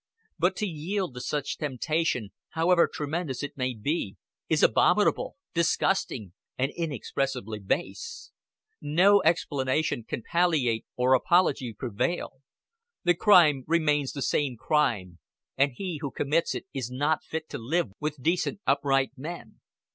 But to yield to such temptation, however tremendous it may be, is abominable, disgusting, and inexpressibly base. No explanation can palliate or apology prevail the crime remains the same crime, and he who commits it is not fit to live with decent upright men.